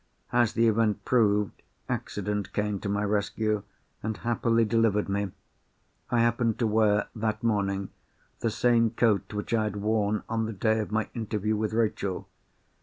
As the event proved, accident came to my rescue, and happily delivered me. I happened to wear, that morning, the same coat which I had worn on the day of my interview with Rachel.